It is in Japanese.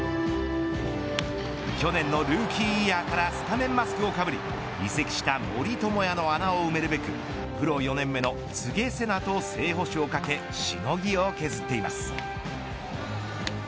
去年のルーキーイヤーからスタメンマスクをかぶり移籍した森友哉の穴を埋めるべくプロ４年目の柘植世那と正捕手を懸けしのぎを削っています。